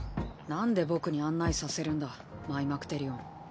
なんで僕に案内させるんだマイマクテリオン。